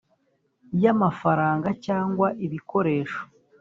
Y amafaranga cyangwa ibikoresho